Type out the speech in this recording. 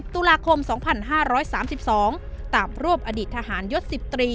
ตุลาคม๒๕๓๒ตามรวบอดีตทหารยศ๑๐ตรี